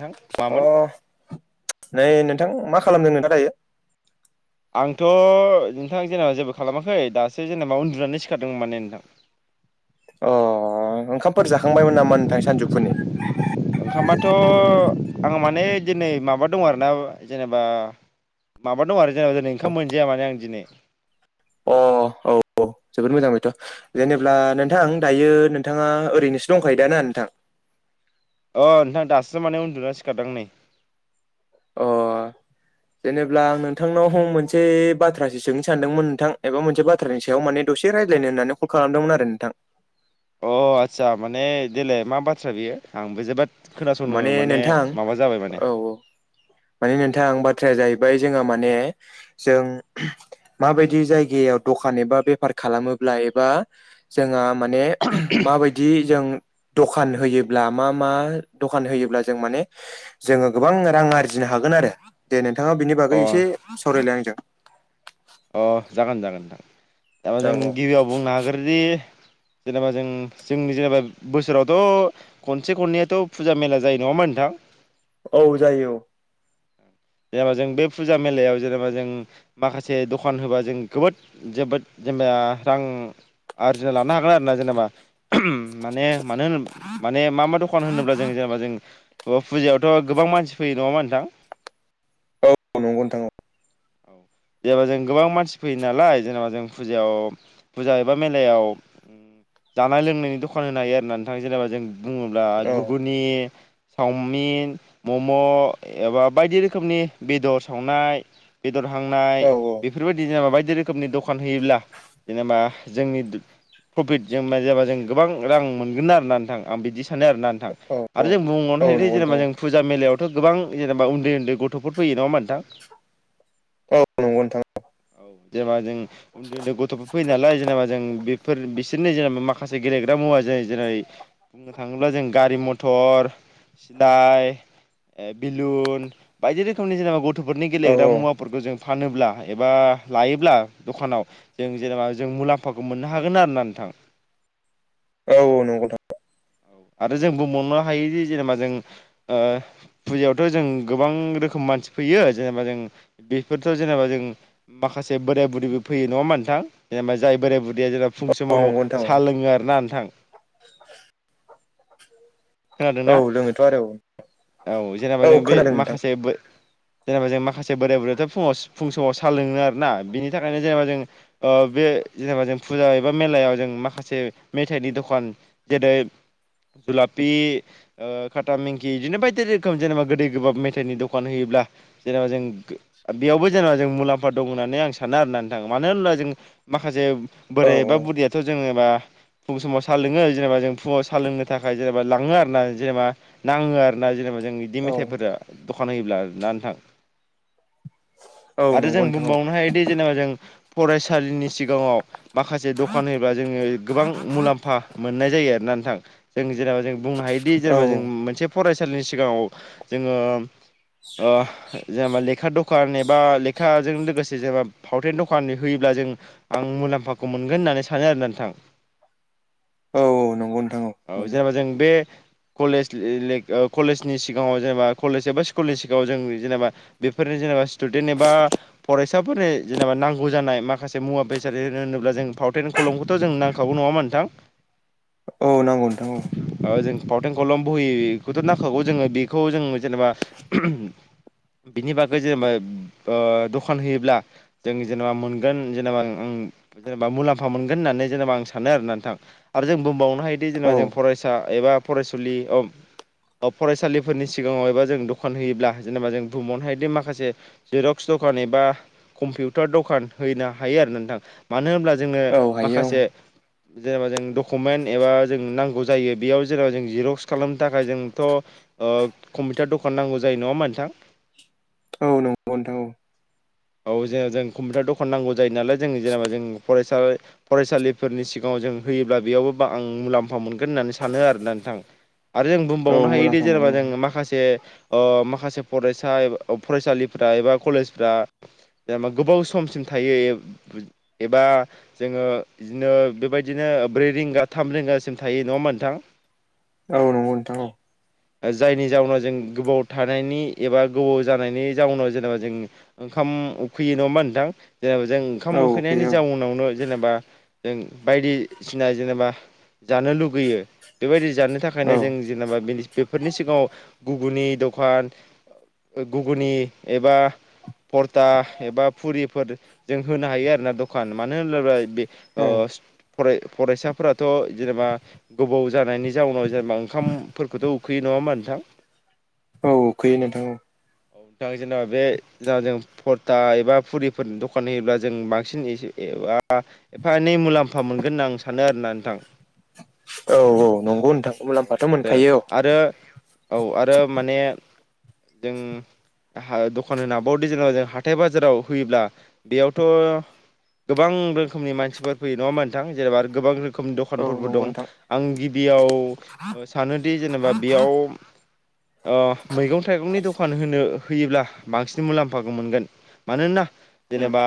नोंथां अ मामोन। नै नोंथां मा खालामदों नोंथां दायो। आंथ' नोंथां जेनेबा जेबो खालामाखै दासो जेनेबा उन्दुनानै सिखारदोंमोन माने नोंथां। [inaudible] अ' ओंखामफोर जाखांबायमोन नामा नोंथां सानजौफुनि ओंखामाथ' आं माने दिनै माबा दं आरोना जेनेबा माबा दं आरो जेनेबा दिनै ओंखाम मोनजाया माने आं दिनै। अ औ औ जोबोद मोजां बेथ' जेनेब्ला नोंथां दायो नोंथांआ ओद ओरैनोसो दंखायो दाना नोंथां? अ नोंथां दासो माने उन्दुना सिखारदां नै। अ'। [inaudible] जेनेबा आं नोंथांनाव हम मोनसे बाथ्रासो सोंनो सानदोंमोन नोंथां एबा मोनसे बाथ्रानि सायाव माने दसे राय ज्लायनो होननानै कल खालामदोंमोन आरो नोंथां। अ आतसा माने देलाय मा बाथ्रा बियो आंबो जोबोद खोनासंनो माने नोंथां माबा जाबाय माने औ औ माने नोंथां बाद बाथ्राया जाहैबाय जोंहा माने जों माबायदि जायगायाव दखान एबा बेफार खालामोब्ला एबा जोंहा माने माबायदि जों दखान होयोब्ला मा मा दखान होयोब्ला जों माने जोङो गोबां रां आरजिनो हागोन आरो दे नों थाङा बिनि अ बागै एसे सावरायलाय आंजों। अ जागोन जागोन नोंथां दा जों औ औ गिबियाव बुंनो हाग्रोदि जेनेबा जों जोंनि जेनेबा बोसोरावथ' खनसे खननैयाथ' फुजा मेला जायो नङा होमबा नोंथां? [unintelligible] औ जायो औ। जेनेबा जों बे फुजा मेलायाव जेनेबा जों माखासे दखान होबा जों गोबोद जोबोद जेनेबा रां आरजिना लानो हागोन आरो ना जेनेबा माने मानो होन माने मा मा दखान होनोब्ला जों जेनेबा जों अ फुजायावथ' गोबां मानसि फैयो नङा होमबा नोंथां? औ नंगौ नोंथां औ। औ। जेनेबा जों गोबां मानसि फैयो नालाय जेनेबा जों फुजायाव फुजा एबा मेलायाव जानाय लोंनायनि दखान होनो हायो आरोना नोंथां जेनेबा जों बुङोब्ला औ गुगुनि सावमिन, मम' एबा बायदि रोखोमनि बेदर सावनाय बेदर हांनाय औ बेफोरबायदि जेन'बा बायदि बायदि रोखोमनि दखान होयोब्ला जेनेबा जोंनि प्रफिट जों मा जाबा जों गोबां रां मोनगोन आरोना नोंथां आं बिदिस सानो आरोना नोंथां औ आरो जों बुंबावनो औ औ हायो जे नंगौ नोंथां जेनेबा जों फुजा मेलायाव थ' गोबां जेनेबा उन्दै उन्दै गथ'फोर फैयो नङा होमबा नोंथां? औ नंगौ नोंथां। जेनेबा जों उन्दै उन्दै गथ'फोर फैयो नालाय जेनेबा जों बिफ फोर बिसोरनि जेनेबा माखासे गेलेग्रा मुवा जाय जेरै बुंनो थाङोब्ला जों गारि मथर सिलाय ओ बेलुन बायदि रोखोमनि जेनेबा गथ'फोरनि औ औ गेलेग्रा मुवाफ फोरखौ जों फानोब्ला एबा लायोब्ला दखानाव जों जेनेबा जों मुलाम्फाखौ मोननो हागोन आरो ना नोंथां। औ नंगौ थां। औ आरो जों बुंबावनो हायोदि जेनेबा जों ओ फुजायावथ' जों गोबां रोखोम मानसि फैयो जेनेबा जों बेफोरथ' जेनेबा जों माखासे बोराय बुरिबो फैयो नङा होमबा नोंथां? जेनेबा जाय बोराय बुरिया जेनेबा फुं औ समाव नंगौ नोंथां औ सा लोङो आरो ना नोंथां। औ खोनादोंना लोङोथ' आरो औ जेनेबा औ जों औ बे खोनादों नोंथां माखासे बो जेनेबा जों माखासे बोराय बुरैआथ' फुङाव फुं समाव सा लोङो आरोना बिनि थाखायनो जेनेबा जों बे जेनेबा जों फुजा एबा मेलायाव जों माखासे मेथाइनि दखान जेरै जुलाब पि ओ खाथा मिंकि बिदिनो बायदि रोखोम जेनेबा गोदै गोबाब मेथाइनि दखान होयोब्ला जेनबा जेनेबा जों गो बेयावबो जेनेबा जों मुलाम्फा दं होननानै आं सानो आरोना नोंथां मानो होनबा जों माखासे औ बोराय एबा औ बुरैयाथ' जेनेबा फुं समाव साहा लोङो जेनेबा जों फुंआव साहा लोंनो थाखाय। जेनेबा लाङो आरोना जेनेबा नाङो आरो ना जेनेबा जों बिदि औ मेथाइफोर दखान होयोब्ला आर ना नोंथां औ आरो नंगौ जों नोंथां औ बुंबावनो हायो। जेनेबा जों फरायसालिनि सिगाङाव माखासे दखान होबा जोङो गोबां मुलाम्फा। मोननाय जायो आरो ना नोंथां। जों जेनेबा जों बुंनो हायोदि औ जेनेबा जों औ मोनसे फरायसालिनि। जेनेबा लेखा दखान एबा लेखाजों लोगोसे जेनेबा फावथेन दखान होयोब्ला। जों आं मुलाम्फाखौ मोनगोन होननानै सानो आरो नोंथां। औ औ नंगौ नोंथां औ। औ मोनो जेनेबा जों बे। कलेज कलेजनि सिगाङाव जेनेबा कलेज एबा स्कुलनि सिगाङाव जों जेनेबा बेफोरनि जेनेबा स्टुडेन्ट एबा फरायसाफोरनि जेनेबा नांगौ जानाय माखासे मुवा बेसाद होनोब्ला जों। फावउटेन खलमखौथ' जों नांखागौ नङा ओमबा नोंथां। औ नांगौ नोंथां। जों फावथें कलम बोहि। बिनि बागै जेनेबा दखान होयोब्ला जों जेनेबा मोनगोन जेनेबा। जेनेबा मुलाम्फ मोनगोन होननानै जेनेबा आं सानो आरो नोंथां आरो जों बुंबावनो हायो। बि जेनेबा जों फरायसा एबा फरायसुलियाव। अ फरायसालिफोरनि सिगाङाव एबा जों दखान होयोब्ला जेनेबा जों बुबावनो हायदि माखासे जिरक्स द। दखान एबा कम्पिउटार दखान होनो हायो आरो नोंथां। मानो होनब्ला। जोंङो औ हायो माखासे जेनेबा जों दकमेन एबा। जोंनों नांगौ जायो बेयाव जेने बा जों जेरकस खालामनो थाखाय जों कमपिउटार दखान नांगौ जायो। नङा ओमबा नोंथां औ नंगौ नोंथां औ जेनबा जों कम्पिउटार दखान नांगौ जायो नालाय जों जेनेबा जों फसा फरायसालिफोरनि सिगाङाव। जों होयोब्ला बेयावबो आं मुलाम्फा मोनगोन होननानै सानो आरोना नोंथां। आरो जों औ बुंबावनो हायोदि मुलाम्फा जेनेबा मोनो जों माखासे ओ माखासे फरायसा फरायसालिफोर। एबा कलेजफ्रा। जेनेबा गोबाव समसिम थायो एबा जोङो बिदिनो बेबायदिनो ब्रै रिंगा थाम रिंगासिम थायो नङा ओमबा नोंथां। औ नंगौ नोंथां औ जायनि जाउनाव जों गोबाव थानायनि एबा गोबाव जानायनि जाउनाव जेनेबा जों ओंखाम उखैयो नङा नोंथां जेनेबा जों ओंखाम औ उखैनायनि उखैयो जाउनावनो। जेनेबा जों बायदिसिना जेनेबा जानो लुगैयो बेबायदि जानो थाखायनो औ जों जेनेबा बेफोरनि सिगाङाव गुबुननि दं। दखान गुगनि एबा। परथा एबा फुरिफोर जों होनो हायो आरोना दखान मानो होनोब्ला बे। औ राय फरायसाफोराथ' जेनेबा गोबाव जानायनि जाउनाव जेनेबा ओंखामफोरखौथ' उखाै। उखैयो नङा होमबा नोंथां। औ खैयो नोंथां औ। औ नोंथाङ जेनेबा बे जेना जों [unintelligible] फरथा एबा फुरिफोरनि दखान होयोब्ला जों बांसिन ए एबा एफा एनै मुलाम्फा मोनव मोनगोन होनना आं सानो आरोना नोंथां। औ औ नंगौ। नोंथां औ मुलाम्फाथ' आरो मोनखायो औ। आरो औ आरो माने जों दखान होनाबावदो जेन जों हाथाय बाजाराव होयोब्ला बेयावथ' गोबां रोखोमनि मानसिफोर फैयो नङा ओमबा नोंथां जेनेबा आरो गोबां रोखोमनि औ दखानफोरबो नंगौ दं नोंथां आं गिबि याव सानोदि जेनेबा बेयाव अ मैगं थाइगंनि दखान होनो होयोब्ला बांसिन मुलाम्फाखौ मोनगोन। मानोना उम जेनेबा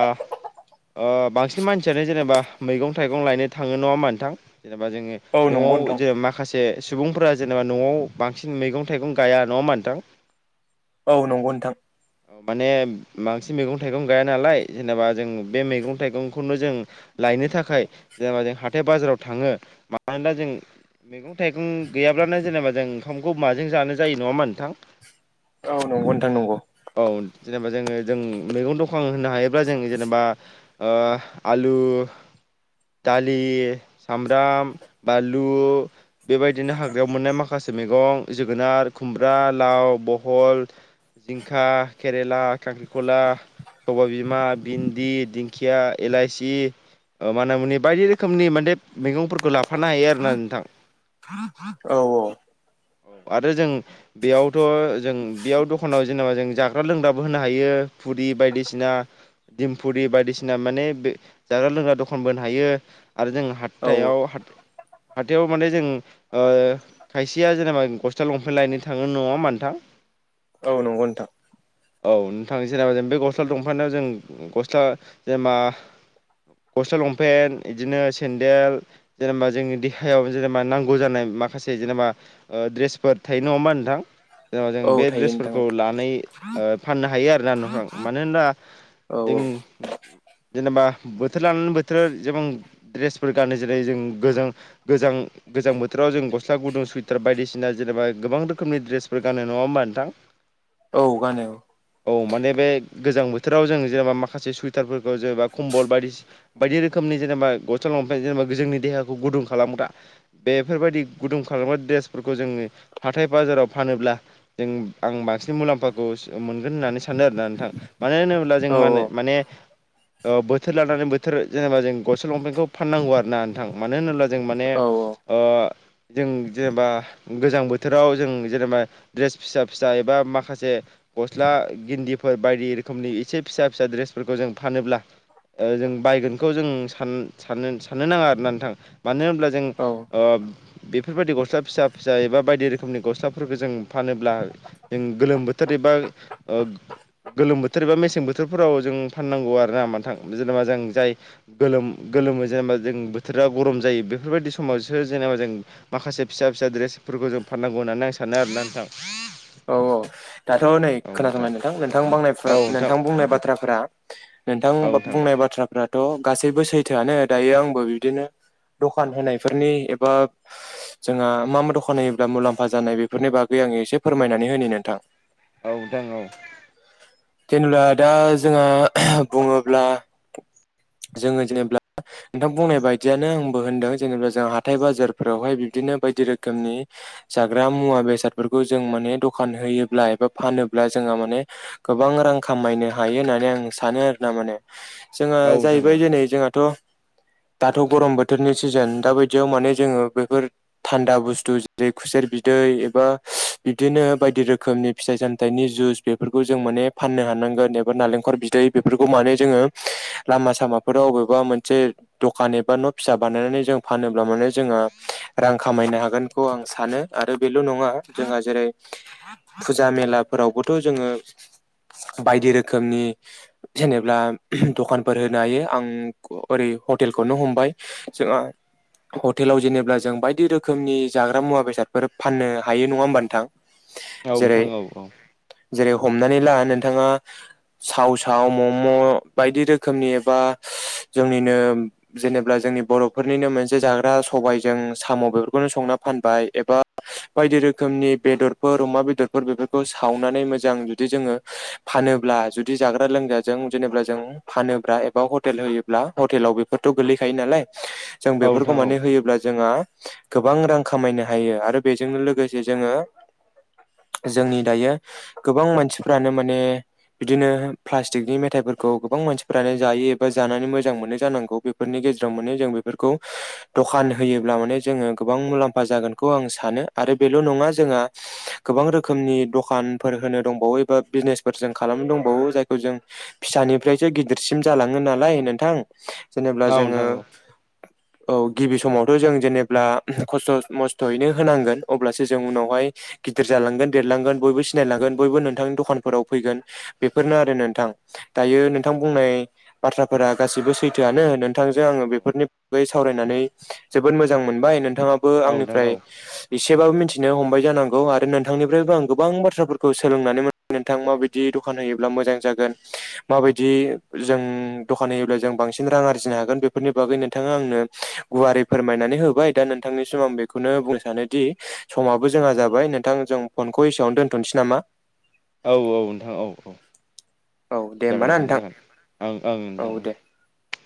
बांसिन मानसियानो जेनेबा मैगं थाइगं लायनो थाङो नङा होनबा नोंथां जेनेबा जोङो औ द नंगौ न'आव नोंथां ज माखासे सुबुंफोरा जेनेबा न'आव बांसिन मैगं थाइगं गाया नङा होनबा नोंथां? [inaudible] औ नंगौ नोंथां। माने बांसिन मैगं थाइगं गाया नालाय जेनेबा जों बे मैगं थाइगंखौनो जों लायनो थाखाय जेनेबा जों हाथाय बाजाराव थाङो मानोना जों मैगं थाइगं गैयाब्लानो जेनेबा जों ओंखामखौ माजों जानो जायो नङा होनबा नोंथां? औ नोंथां नंगौ नंगौ औ जेनेबा जोङो जों मैगं दखान होनो हायोब्ला जों जेनेबा ओ आलु दालि सामब्राम बनलु बेबायदिनो हाग्रायाव मोननाय माखासे मैगं जोगोनार खुमब्रा लाव बहल जिंखा केरेला खांख्रिखला सबाय बिमा भिन्दि दिंखिया इलाइसि माना मनि बायदि रोखोमनि माने मैगंफोरखौ लाफानो हायो आरोना नोंथां। औ औ औ आरो जों बेयावथ' जों बेयाव दखानाव जेनेबा जों जाग्रा लोंग्रा बो होनो हायो फुरि बायदिसि दिम फुरि बायदिसिना मने जाग्रा लोंग्रा दखनफो बो हायो आरो जों हाथ औ थायाव हाथ हाथायाव माने जों ओ खायसेया जेनेबा गस्ला लंफेन्ट लायनो थाङो नङा होनबा नोंंथां? [inaudible] औ नंगौ नोंथां। औ नोंथां जेनेबा जों बे गस्ला दंफानायाव जों गस्ला जेनेबा गस्ला लंपेन्ट बिदिनो सेन्देल जेनेबा जोंनि देहायाव जेनेबा नांगौ जानाय माखासे जेनेबा दड्रेसफोर थायो नङा होमबा नोंथां? जेन जों औ बे थायो नोंथां ड्रेसफोरखौ लानाय फाननो हायो आरो ना न'फ्राव मानो होनबा औ औ जों औ जेनेबा बोथोर लानानै बोथोरा जेबां द्रेसफोर गानो जेरै जों गोजों गोजां गोजां बोथोराव जों गस्ला गुदुं सुइथार बायदिसिना जेनेबा गोबां रोखोमनि ड्रेसफोर गानो नङा होमबा नोंथां? औ गानो। औ माने बे गोजां बोथोराव जों जेनेबा माखासे सुइटारफोरखौ जेनेबा कम्बल बायदिसि बायदि रो रोखोमनि जेनेबा गस्ला लंफेन्ट जेनेबा जोंनि देहाखौ गुदुं खालामग्रा बेफोरबायदि गुदुं खालामग्रा द्रेसफोरखौ जोङो हाथाय बाजाराव फानोब्ला जों आं बांसिन मुलाम्फा खौमोनगोन होननानै सानो आरोना नोंथां मानो होनोब्ला जों औ माने बोथोर लानानै बोथोर जेनेबा जों गसल लंफेन्टखौ फाननांगौ आरो ना नोंथां मानो होनोब्ला जों माने औ ओ जों जेनेबा गोजां बोथोराव जों जेनेबा दड्रेस फिसा फिसा एबा माखासे गस्ला गिन्दिफोर बायदि रोखोमनि एसे फिसा फिसा द्रेसफोरखौ जों फानोब्ला जों बायगोनखौ जों सान सान साननो नाङा आरोना नोंथां मानो होनोब्ला जों औ ओ बेफोरबायदि गस्ला फिसा फिसा एबा बायदि रोखोमनि गस्लाफोरखौ जों फानोब्ला जों गोलोम बोथ बोथोर एबा गोलोम बोथोर एबा मेसें बोथोरफोराव जों फाननांगौ आरो ना नोंथां जेनेबा जों जाय गोलोम गोलोमो जेनेबा जों बोथोरा गरम जायो बेफोरबायदि समावसो जेनेबा जों माखासे फिसा फिसा दड्रेसफोरखौ जों फाननांगौ होननानै आं सानो आरोना नोंथां। औ औ दाथ' नै खोनासंलाय नोंथां नोंथां बांनायफुरा नोंथां बुंनाय बाथ्राफोरा नोंथां औ बुंनाय बाथ्राफ्राथ' गासैबो सैथोआनो दायो आंबो बिदिनो दखान होनायफोरनि एबा जोंहा मा मा दखान होयोब्ला मुलाम्फा जानाय बेफोरनि बागै आं एसे फोरमायनानै होेनि नोंथां। औ दां औ। जेनेबा दा जोङो बुङोब्ला जोङो जेनेबा नोंथां बुंनाय बायदियानो आंबो होनदों जेनेबा जों हाथाय बाजारफोरावहाय बिदिनो बायदि रोखोमनि जाग्रा मुवा बेसादफोरखौ जों माने दखान होयोब्ला एबा फानो होनजोङो माने गोबां रां खामायनो हायो होननानै आं सानो आरो ना माने जोंहा नोंथां औ जाहैबाय दिनै जोंहाथ' [inaudible] दाथ' गरम बोथोरनि सिजोन दा बायदियाव माने जोङो बेफोर थान्दा बुस्थु जेरै खुसेर बिदै दै एबा बिब्दिनो बायदि रोखोमनि फिथाइ सामथायनि जुस बेफोरखौ जों माने फाननो हानांगोन एबा नारेंकल बिदै बेफोरखौ माने जोङो लामा सामाफोराव वबेबा मोनसे दखान एबा न' फिसा बानायनानै जों फानोब्ला माने जोंहा रां खामायनो हागोनखौ आं सानो आरो बेल' नङा जोंहा जेरै फुजा मेलाफोरावबोथ' जोङो [inaudible] बायदि रोखोमनि जेनेबा दखानफोर होनो हायो आं ओरै हटेल ल खौनो हमबाय जोंङो हटेलाव जेनेब्ला जों बायदि रोखोमनि जाग्रा मुवा बेसादफोर फाननो हायो नङा होमबा नोंथां। औ जेरै नोंथां औ औ जेरै हमनानै ला नोंथाङा साव साव मम' बायदि रोखोमनि एबा जोंनिनो जेनेब्ला जों जोंनि बर'फोरनिनो मोनसे जाग्रा सबायजों साम' बेफोरखौनो संना फानबाय एबा बायदि रोखोम रोखोमनि बेदरफोर अमा बेदरफोर बेफोरखौ सावनानै मोजां ज जुदि जोङो फानोब्ला जुदि जाग्रा लोंग्राजों जेनेबा जों फानोब्ला एबा हटेल होयोब्ला हटेलाव बेफोरथ' गोलैखायो नालाय जों औ बेफोरखौ नोंथां औ माने होयोब्ला जोंहा गोबां रां खामायनो हायो आरो बेजोंनो लोगोसे जोङो जोंनि दायो गोबां मानसिफ्रानो माने बिदिनो प्लास्टिकनि मेथाइफोरखौ गोबां मानसिफोरानो जायो एबा जानानै मोजां मोनो जानांगौ बेफोरनि गेजेराव माने जों बेफोरखौ दखान होयोब्ला माने जोङो गोबां मुलाम्फा जागोनखौ आं सानो आरो आरो बेल' नङा जोंहा गोबां रोखोमनि दखानफोर होनो दंबावो बा बिजनेसफोर जों खालामनो दंबावो जायखौ जों फिसानिफ्रायसो गिदिरसिम जालाङो नालाय नोंथां जेनेबा औ जोङो नोंथां औ गिबि समावथ' जों जेनेब्ला खस्थ' मस्थ'यैनो होनांगोन अब्लासो जों उनावहाय गिदिर जालांगोन देरलांगोन बयबो सिनायलांगोन बयबो नोंथांनि द दखानफोराव फैगोन बेफोरनो आरो नोंथां दायो औ नोंथां बुंनाय बाथ्राफोरा गासिबो स सैथोआनो नोंथांजों आंङो औ बेफोरनि बैगै सावरायनानै जोबोद मोजां मोनबाय नोथांआबो औ नोंथां आंनिफ्राय औ एसेबाबो मिथि मिथिनो हमबाय जानांगौ आरो नोंथांनिफ्रायबो आं गोबां बाथ्राफोरखौ सोलोंनानै मोनो। नोंथां माबायदि दखान होयोब्ला मोजां जागोन माबायदि जों दखान होयोब्ला जों बांसिन रां आरजिनो हागोन बेफोरनि बागै नोंथाङा आंनो गुवारै फोरमायनानै होबाय दा नोंथांनि सम आं बेखौ बेखौनो बुंनो सानोदि समाबो जोंहा जाबाय नोंथां जों फनखौ एसेआवनो दोन्थ'नोसै नामा औ औ नोंथां औ औ। औ दे होमबा जागोन ना नोंथां जागोन नोंथांं औ औ।